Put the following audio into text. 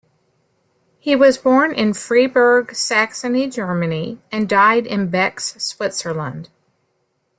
He was born in Freiberg, Saxony, Germany and died in Bex, Switzerland.